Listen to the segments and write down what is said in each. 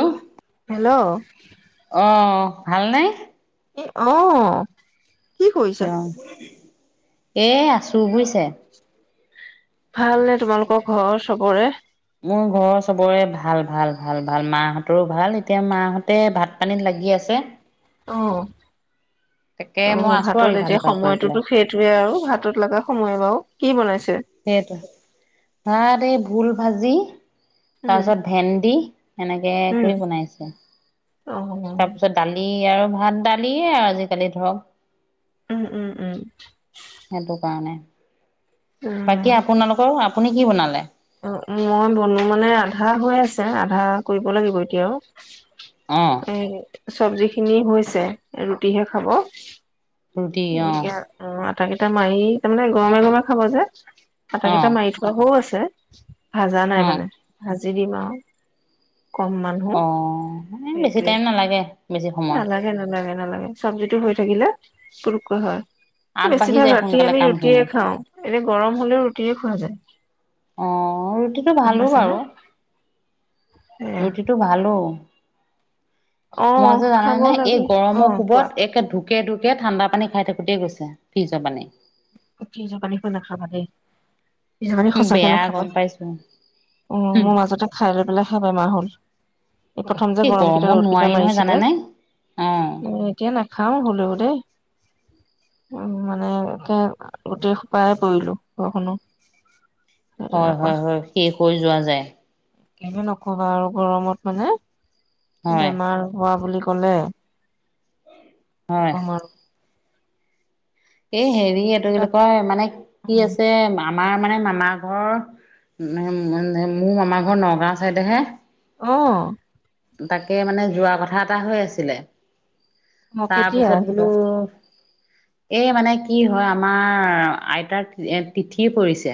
আহ। হেল্ল' অ ভাল নে? অ। কি কৰিছা? অ এ আছো বুইছে। ভাল নে তোমালোকৰ ঘৰ চবৰে। মোৰ ঘৰৰ চবৰে ভাল ভাল ভাল ভাল মাহঁতৰো ভাল এতিয়া মাহঁতে ভাত পানীত লাগি আছে। অহ। তাকে অ মই আছো আৰু ভাতত ইফাল এতিয়া সিফাল কৰি সময়টোতো পেলাই সেইটোয়ে আৰু ভাতত লগা সময় বাৰু। কি বনাইছে? সেইটো ভাত এই ভোল ভাজি। তাৰ উম পিছত ভেণ্ডি এনেকে উম কৰি বনাইছে। অ তাৰপিছত দালি আৰু ভাত দালিয়ে আৰু আজি কালি ধৰক। উম উম উম। সেইটো কাৰণে উম বাকী আপোনালোকৰ আপুনি কি বনালে? মই বনোৱা মানে আধা হৈ আছে আধা কৰিব লাগিব এতিয়া অ' আৰু। এ চব্জি খিনি হৈছে ৰুটিহে খাব। ৰুটি অ' গতিকে অঁ আঠকেইটা মাৰি কিনে গৰমে গৰমে খাব যে। আটা গিটা অ' মাৰি থোৱাওঁ আছে ভাজা নাই অ'। মানে ভাজি দিম আৰু। কম মানুহ অ এ বেছি সেইটোৱে টাইম নালাগে বেছি সময় নালাগে নালাগে নালাগে। চব্জিটো হৈ থাকিলে পটকে হ'য়। আগবাঢ়ি বেছিভাগ যায় ৰাতি সোনকালে আমি কামখিনি ৰুটিয়ে খাওঁ। এনে গৰম হলেও ৰুটিয়ে খোৱা যায়। অ ৰুটিটো গম ভালে পাইছা বাৰু নে সেয়া ৰুটিটো ভালো। অ মই যে জানে খাব নে এই লাগে অ গৰমৰ কোৱা কোবত একে ধূপ। কেদুকে ঠাণ্ডা পানী খাই থাকোতেই গৈছে ফ্ৰিজৰ পানী। ফ্ৰীজৰ পানী নাখাবা দেই। ফ্ৰীজৰ পানী সঁচাকে বেয়া নাখাবা গম পাইছো অ হুম, মোৰ মাজতে খাই লৈ পেলাই খাই বেমাৰ হ'ল। [unintelligible] প্ৰথম যে এই গৰম কেইটা গৰমত ৰ'দ কেইটা নোৱাৰি নহয় মাৰিছিলে জানেনে অ এতিয়া নাখাও হলেওঁ দেই। উম মানে এনেকে। গোটেহোপায় পৰিলোঁ বৰষুণত। হয় হয় হয় শেষ হৈ যোৱা যায়। এনে নকবা আৰু গৰমত মানে হয় বেমাৰ হোৱা বুলি ক'ব। ক'লে কি হয় কম আৰু। এ হেৰি এইটো কি তাক কয় মানে কি অ', আছে মানুহ। আমাৰ মানে মামা ঘৰ মোৰ মামা ঘৰ নগাঁও চাইদেহে। অ। তাকে মানে যোৱা কথা এটা হৈ আছিলে। অ', কেতিয়া তাৰপিছত বোলো। আহিবা? এই মানে কি হয় আমাৰ আইতাৰ তিথি পৰিছে।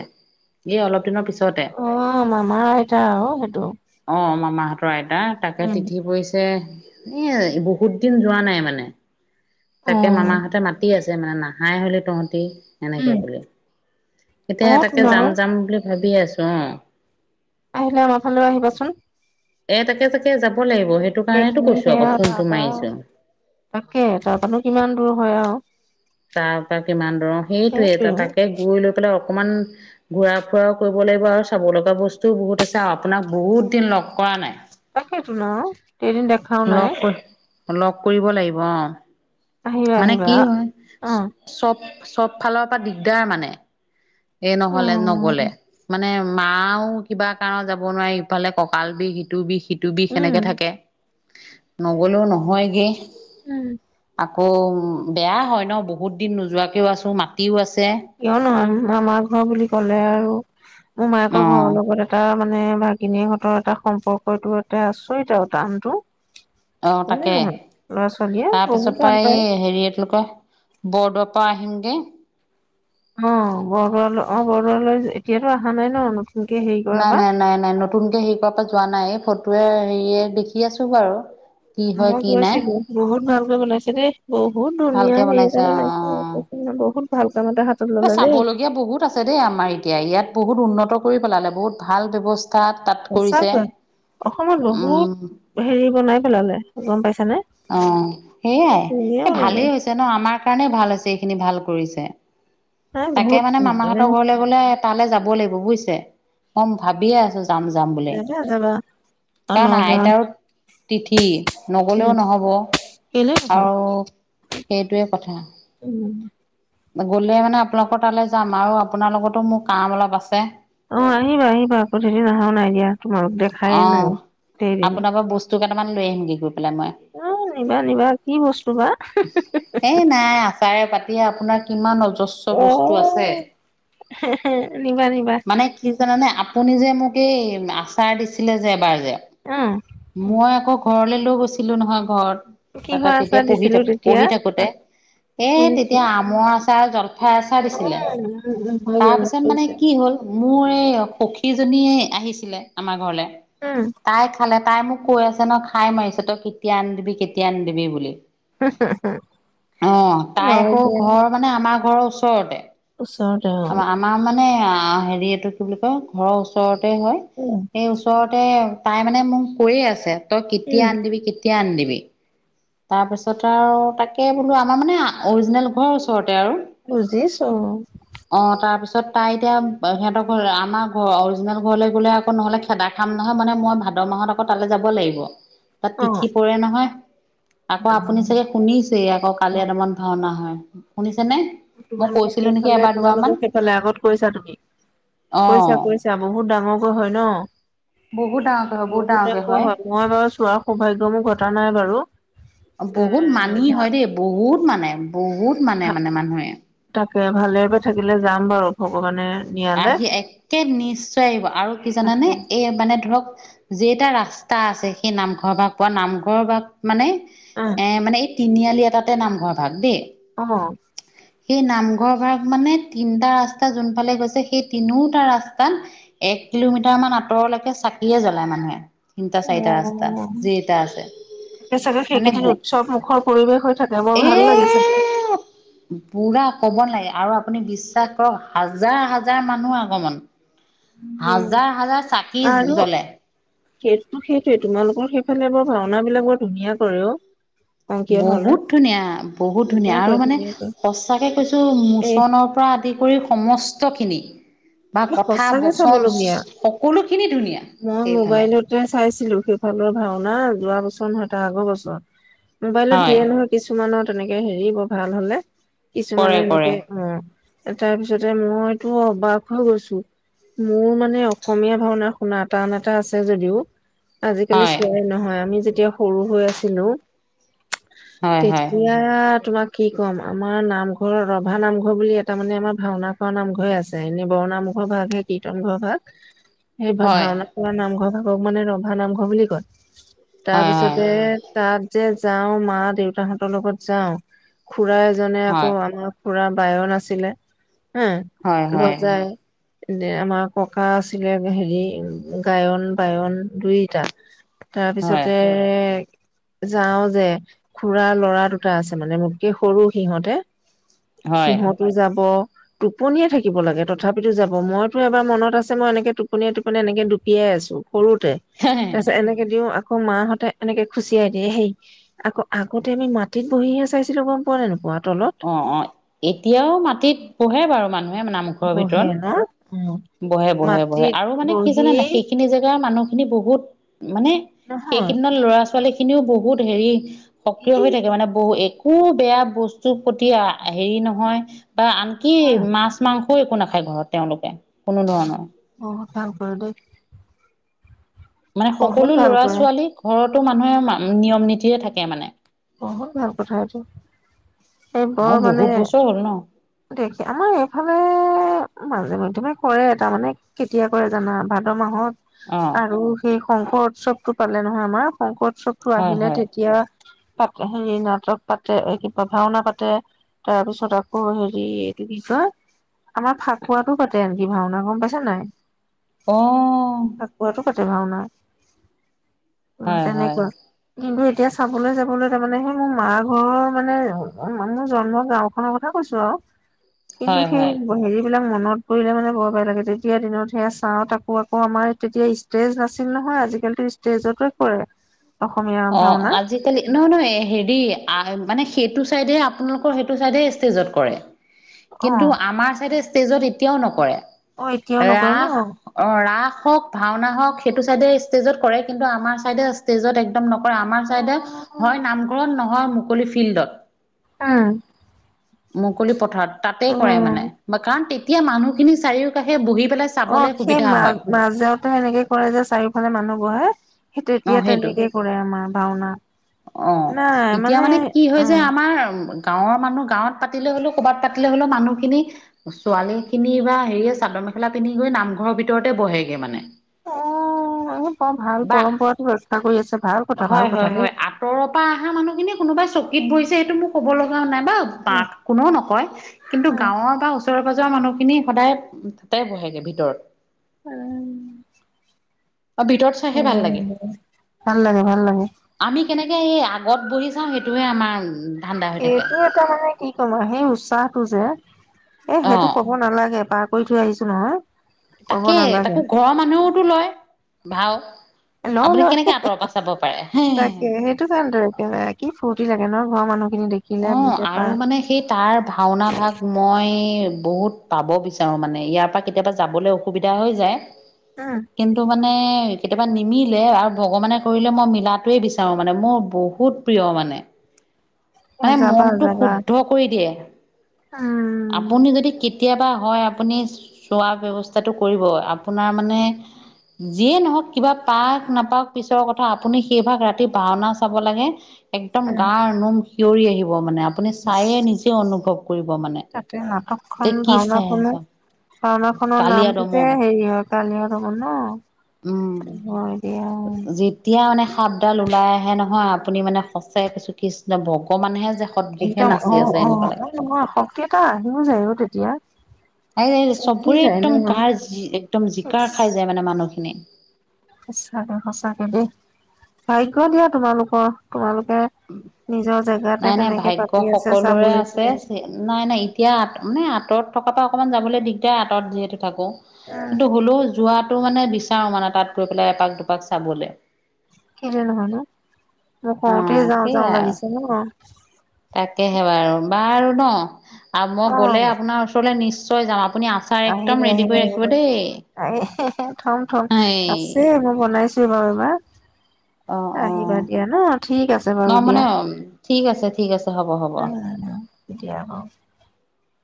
এ অলপ দিনৰ পিছতে অ', মামাৰ আইতা আৰু সেইটো। অ মামাহঁতৰ। আইতা তাকে উম, তিথি পৰিছে এ বহুত দিন যোৱা নাই মানে। তাকে অ', মামাহঁতে মাতি আছে মানে নাহাই হ'লে তহঁতি। সেনেকে উম, বুলে এতিয়া অ', তাকে তোন আৰু যাম যাম বুলি ভাবি আছোঁ অ। আহিলে আমাৰ ফালেও আহিবাচোন। এ তাকে তাকে যাব লাগিব। সেইটো কাৰণেতো সেইখিনি কৈছো সে আকৌ আৰু ফোনটো তাৰপৰা মাৰিছো তাকে তাৰপৰানো কিমান দূৰ হয় আৰু। তাৰ পৰা কিমান দৰ সেইটোয়ে সেইটোৱে। তাকে গৈ লৈ পেলাই। অকমান ঘূৰা ফুৰাও কৰিব লাগিব। আৰু চাব লগা বস্তুও বহুত আছে। আৰু আপোনাক বহুত দিন লগ কৰা নাই। তাকেইতো ন কেইদিন দেখাওঁ নাই। লগ কৰি লগ কৰিব লাগিব অঁ আহিবা মানে আহিবা কি হ'য় অ', অ'। চব। চব ফালৰ পৰা দিগদাৰ মানে এ নহ'লে নগলে উম, মানে। মাও কিবা কাৰণত যাব নোৱাৰি ইফালে কঁকাল বিষ সিটো বিষ সিটো বিষ সেনেকে থাকে। নগ'লেও নহয়গে উম। আকৌ বেয়া হ'য় ন বহুত দিন নোযোৱাকেও আছোঁ মাতি। কিয়নো মামাৰ ঘৰ বুলি ক'লে আৰু। উ অ মায়েকৰ ঘৰৰ লগত এটা মানে ভাগিনীহঁতৰ এটা সম্পৰ্কটো এটা আচৰিত আৰু টানতটো। উম তাৰ পিছৰ পৰা এই হেৰি এইলোকয় বৰদোৱাৰ পৰা আহিমগে। অঁ বৰদোৱাৰ অঁ বৰদোৱালৈ এতিয়াতো অহা নাই ন। নতুনকে হেৰি কৰাৰ নাই পৰা নাই নাই নাই নতুনকে হেৰি কৰ পৰা যোৱা নাই ফটোয়ে হেৰিয়ে দেখি আছো বাৰু। কি আম হয় কি নাই গৈছিলোঁ বহুত ভালকে বনাইছে দেই। বহুত ধুনীয়া ভালকে হেই ত বনাইছে ম বহুত। ভাল কাম এটা হাতত ললে চাব দেই লগীয়া বহুত আছে দেই আমাৰ এতিয়া ইয়াত বহুত উন্নত কৰি পেলালে বহুত ভাল ব্যৱস্থা। তাত সচা কৰিছে ক অসমত বহুত উম হেৰি বনাই পেলালে গম পাইছ। অ সেইয়াই এই বনালে ভালেই হৈছে ন আমাৰ কাৰণে ভাল হৈছে এইখিনি ভাল। কৰিছে। নাই তাকে বহুত মানে মামাহঁতৰ ঘৰলে গলে তালৈ যাব লাগিব বুজিছে। তাম ভাবিয়ে আছো যাম যাম বুলি। যাবা যাবা অ কাৰণ নগাঁও আইতাৰো তিথি উম নগলেও নহব। কেলে অ নহয় সেইটোৱে কথা। উম, গ'লে মানে আপোনালোকৰ তালে যাম আৰু আপোনাৰ লগতো মোৰ কাম অলপ আছে। অ আহিবা আহিবা আকৌ সেইদিন অহাও নাই দিয়া তোমালোক দেখাই নাই গোটেইদিন। ত কটামান লৈ আহিম গে গৈ। পেলাই মই। অ নিবা নিবা কি বস্তু বা এই নাই আচাৰে পা আপোনাৰ কিমান অযু- অ -বস্তু আছে নিবা নিবা মানে কি জানানে। আপুনি যে মোক এই আচাৰ দিছিলে যে এবাৰ। যে আহ মই আকৌ ঘৰলৈ লৈ গৈছিলো নহয় ঘৰত। তাতে কিহৰ তেতিয়া আচাৰ পঢ়ি দিছিলো থাকো তেতিয়া পঢ়ি থাকোতে এ শুনিছো তেতিয়া আমৰ আছ- সেয়া আচাৰ অ দিছিলে, উম উম হয় দিয়া তাৰ মনত পিছত মানে পৰিছে কি হ'ল। মোৰ এই সখীজনী আহিছিলে আমাৰ ঘৰলে উম তাই খালে, তাই মোক কৈ আছে ন খাই মাৰিছে তই কেতিয়া আনি দিবি কেতিয়া আনি দিবি বুলি। অ তাই হয় আকৌ দিয়া ঘৰ মানে আমাৰ ঘৰৰ ওচৰতে ওচৰতে অ। আমাৰ মানে হেৰি এইটো কি বুলি কয় ঘৰৰ ওচৰতে হয় উম সেই ওচৰতে। তাই মানে মোক কৈয়ে আছে তই কেতিয়া উম আনি দিবি কেতিয়া আনি দিবি। তাৰপিছত আৰু তাকে বোলো আমাৰ মানে অৰিজিনেল ঘৰৰ ওচৰত। তে আৰু। বুজিছো অ তাৰ পিছত তাৰপিছত তাই এতিয়া সিহঁতৰ আমাৰ ঘৰ অৰিজিনে ঘৰলৈ গ'লে আকৌ নহ'লে খেদা খাম নহয় মানে মই ভাত ভাদ মাহত আকৌ তালে যাব লাগিব। তাত অ তিথি পৰে নহয় আকৌ আপুনি চাগে শুনিছে আকৌ কালীয়া দমন ভাওনা হয়। শুনিছ- তোমালোকৰ সেইফালে তোমালোকৰ সেইফালে আগত কৰিছা তুমি। অ কৈছা কৈছা বহুত ডাঙৰকৈ হয় ন। বহুত ডাঙৰকে হয় বহুত ডাঙৰকে এংক হয় মই বাৰু চোৱাৰ সৌভাগ্য মোৰ ঘটা নাই বাৰু। এ বহুত মানি হয় ভা দেই বহুত মানে বহুত মানে মানে মানুহে। তাকে ভালে কৈ থাকিলে যাম বাৰু ভগৱানে। নিয়ালে আহি একে নিশ্চয় আহিব আৰু কি জানানে তাকে এই মানে ধৰক। যেইটা ৰাস্তা আছে সেই নামঘৰ বাগ বা নামঘৰৰ বাগ মানে আহ এ মানে তিনিআলি এটাতে নামঘৰ ভাগ দেই। অ এই নামঘৰ ঘ মানে তিনিটা ৰাস্তা যোন ফালে গৈছ- সেই তিনিওটা ৰাস্তাত এক কিলোমিটাৰ মান আঁতৰলৈকে চাকিয়ে জ্বলায় মানুহে। তিনিটা অ, চাৰিটা ৰাস্তা যেইটা আছে তাকে চাগে মানে সেইকেইদিন উৎসৱ মুখৱ পৰিৱেশ হৈ থাকে বৰ এ ভাল লাগিছে। পুৰা ক'ব নালাগে আৰু আপুনি বিশ্বাস কৰক হাজাৰ হাজাৰ মানুহ আগমন। হাজাৰ হাজাৰ চাকি আৰু জ্বলে। সেইটো সেইটোৱে তোমালোকৰ সেইফালে বৰ ভাওনা বিলাক বৰ ধুনীয়া কৰে অ। অংকীয়া ভাওনা বহুত ধুনীয়া বহুত ধুনীয়া কৰে আৰু মানে ধুনীয়া কৰে সচাকে কৈছো এ মুচনৰ পৰা আদি কৰি সমস্তখিনি। বা এ কথা সঁচাকে বচন চাবলগীয়া সকলোখিনি ধুনীয়া মই সেইফালে মোবাইলতে চাইছিলো সে- ভালৰ ভাওনা যোৱা বছৰ নহয় তাৰ আগৰ বছৰ মোবাইলত হয় দিয়ে নহয় কিছুমানত তেনেকে হেৰি ব ভাল হলে কিছুমানে কৰে কৰে এনেকে অ তাৰ পিছতে মইতো অবাত হৈ গৈছো মোৰ মানে অসমীয়া ভাওনা শুনা টান এটা আছে যদিও আজিকালি হয় চোৱাই নহয় আমি যেতিয়া সৰু হৈ আছিলো হয় হয় তেতিয়া তোমাক কি ক'ম আমাৰ নামঘৰ ৰভা নামঘৰ বুলি এটা মানে আমাৰ ভাওনা খ নামঘৰে আছে এনে বৰণামখৰ ভাগ সেই কীৰ্তন ঘৰ ভাগ সেই ভাগ হয় ভাওনা পৰা নামঘৰ ভাগ [unintelligible] ধৰক মানে ৰভা নামঘৰ বুলি কয় হয় হয় তাৰপিছতে তাত যে যাওঁ মা দেউতাহঁতৰ লগত যাওঁ খুৰা এজনে হয় আকৌ আমাৰ পুৰা বায়ৰ নাছিলে হয় হয় মজাই আমাৰ ককা আছিলে হেৰি গায়ন বায়ন দুইটা তাৰপিছতে হয় যাও যে খুৰাাৰ লৰা দুটা আছে মানে মোককেই সৰু সিহঁতে সিহতো যাব টোপনিয়ে থাকিব শিব লাগে তথাপিতো যাব মইতো এবাৰ মত আছে মই এনেকে টোপন টোপনিয় এনেকে ডুপিয়াই আছো সৰুতে তাৰপিছত হয় এনেকে দিওঁ আকৌ মাহঁতে এনেকে খুচিয়াই দিয়ে হেই আকৌ আগতে আমি মাটিত বহিহে চাইছিলো গম পোৱা নে নোপোৱা তলত অ অ এতিয়াও মাটিত পোহে বাৰু মানুহে মানঘৰ ভিতৰত ফেনৰ [unintelligible] উম বহে বহে বহে মাটিত আৰু মানে কি জানে ন বহিয়ে সেইখিনি জেগাৰ মানুহখিনি বহুত মানে নহয় সেইকেইদিনত ল'ৰা ছোৱালী খিনিও বহুত হেৰি ই সক্ৰিয় হৈ থাকে মানে বহু একো বেয়া বস্তুৰ প্ৰতি হেৰি নহয় বা আনকি অ মাছ মাংস একো একো নাখায় ঘৰত তেওঁলোকে কোনো ধৰণৰ ধান কৰ দ [unintelligible] মানে সকলো লৰা কৰে ছোৱালী ঘৰতো মানুহে নিয়ম নীতিৰে থাকে মানে বহুত ভাল কথা এইটো এই অ বৰ মানে বহুত বছৰ হ'ল ন দেখি আমাৰ এইভাবে মাজে মধে মে কৰে এটা মানে কেতিয়া কৰে জানা ভাদ মাহত অ [unintelligible] আৰু সেই শংকৰ উৎসৱতটো পালে নহয় আমাৰ শংকৰ উৎসৱটো হয় আহিলে হয় তেতিয়া পা হেৰি নাটক পাতে কিবা ভাওনা পাতে তাৰপিছত আকৌ হেৰিটো কি ক আমাৰ ফাকুৱাতটো পাতে আনকি ভাওনা গম পাইছো নাই আহ নাই উ হয় হয় তেনেকুৱা কিন্তু এতিয়া চাবলৈ যাবলৈ তাৰ মানে সেই মোৰ মা ঘৰৰ মানে মোৰ জন্মৰ গাও খনৰ কথা কৈছো আৰু কিন্তু হয় সেই হয় হেৰি বলাক মনত পৰিলে মানে বৰ বেয়া লাগে তেতিয়া দিনত সেয়া চাওঁত আকৌ আকৌ আমাৰ তেতিয়া ষ্টেজ নাছিল ন হয় আজিকালিটো ষ্টেজত কৰে অসমীয়া অ ভাওনা আজিকালি নহয় নহয় হেৰি মানে সেইটো চাইডে আপোনালোকৰ সেইটো চাইডে ষ্টেজত কৰে অ কিন্তু আমাৰ ছাইডে ষ্টেজত এতিয়াও নকৰে অ এতিয়াও নকৰে ন ৰাখ ৰাখ অ ৰাখ [unintelligible] হক ভাওনা হওক সেইটো চাইডে ষ্টেজত কৰে কিন্তু আমাৰ চাইডে ষ্টেজত একদম ন আমাৰ চাইডে উম হয় নামঘৰত নহয় মুকলি ফিল্ডত। হ [unintelligible] মুকলি পথাৰত তাতেই কৰে মানে বা কাৰণ তেতিয়া মানুহখিনি চাৰিওকাষে বহি পেলাই অ চাবলৈ সেই সুবিধা মাজ হয় মাজতে এনেকে কৰে যে চাৰিওফালে মানুহ বহে সেই তেতিয়া অ', সেইটো তেনেকেই কৰে আমাৰ ভাওনা। অ এতিয়া মানে কি হয় অ যে আমাৰ উ গাঁৱৰ মানুহ গাঁৱত পাতিলে হ'লেও ক'ৰবাত পাতিলে হ'লেও মানুহখিনি ছোৱালীখিনি বা হেৰিয় চাদন মেখেলা পিন্ধি গৈ নামঘৰভিতৰতে বহেগে মানে। [unintelligible] অ আহি বৰ ভাল বা পৰম্পৰাতো ৰক্ষা কৰি আছে। ভাল কথা ভাল হয় কথা হয় দেই হয় আতৰ পৰা অহা মানুহখিনি কোনোবাই চকীত বহিছে সেইটো মোক ক'ব ল নাই বা বা কোননেও নকয় কিন্তু গাঁৱৰ বা ওচৰৰ যোৱা মানুহখিনি সদায় তাতে বহেগে ভিতৰত। উম ভিতৰত চাইহে ভাল লাগে ভাল লাগে ভাল লাগে আমি কেনেকৈ সেই আগত বহি চাওঁ সেইটোহে আমাৰ ধান্দা হৈ থাকে এইটো এটা মানে কি ক'ম আৰু সেই উৎসাহটো যে এ সেইটো অ'। কব নালাগে পাৰ কৰি থৈ আহিছো নহয়। ক'ব তাকে নালাগে তাকো ঘৰৰ মানুহেওতো লয় ভাও। লওঁ আপুনি লওঁ কেনেকে আঁতৰ পৰাচাব পাৰে? হে তাকে সেইটো জান দে কি ফূৰ্তি থাগে নহ ঘৰ মানুহ। অঁ আৰু মানে সেই তাৰ ভাওনা ভাগ মই বহুত। পাব বিচাৰো মানে ইয়াৰ পৰা কেতিয়াবা যাবলৈ অসুবিধা হৈ যায় উম কিন্তু মানে কেতিয়াবা নিমিলে আৰু ভগৱানে কৰিলে মই মিলাটোৱে বিচাৰো মানে মোৰ বহুত প্ৰিয় মানে। এ মানে যাবা মনটো যাবা শুদ্ধ কৰি দিয়ে। উম আপুনি যদি কেতিয়াবা হয় আপুনি চোৱাৰ ব্যৱস্থাটো কৰিব আপোনাৰ মানে যিয়ে নহওক কিবা পাক নাপাওক পিছৰ কথা আপুনি সেই ভাগ ৰাতি ভাওনা চাব লাগে একদম উম গাৰ নোম খিঞৰি আহিব মানে আপুনি ইচ চায়য়ে নিজে অনুভৱ কৰিব মানে। তাতে নাটকখন যে কি চাই ভাওঁনাখনো আছা ভাওনা খনৰ কালিয়া নামটোতে দমন হেৰি হয় কালিহত হব ন উম হয় দিয় যেতিয়া মানে সাপডাল ওলাই আহে নহয় আপুনি মানে সঁচাই কৈছু কৃষ্ণ ভগৱানেহে যা একদম অঁ অঁ মই শত্তিএটা আহিও যায় অঁ তেতিয়া। এই আহি চবৰে যায় একদম ন গাৰ একদম ইচ জিকাৰ খাই যায় মানে মানুহখিনি। সঁচাকে সঁচাকে দেই ভাগ্য দিয়া তোমালোকৰ তোমালোক উম। নাই নাই ভাগ্য পাতি আছে সকলোৰে চাবলৈ আছে উম নাই নাই এতিয়া আ মানে আ আঁতৰত থকা পৰা অকমান যাবলৈ দিগদাৰ আঁতৰত যিহেতু থাকে কিন্তু হ'লেও যোৱাতটো মানে বিচাৰো মানে তাত গৈ পেলাই এপাক দুপাক চাবলে। কেলে নহয়'নো? অঁ সেইয়াই আৰু তাকে সে ব আৰু বা ন আৰু মই গ'লে আপোনাৰ ওচৰলৈ নিশ্চয় যাম আপুনি আচাৰ আহিবা একদম ৰেডি আহিবা কৰি ৰাখিব আহিবা দেই। আহি থম থম এই আছে মই বনাইছো এইবাৰ। অ অ আহিবা দিয়া ন ঠিক আছে ন বাৰু মানে দিয়া ঠিক আছে ঠিক আছে হ'ব অ এতিয়া, উম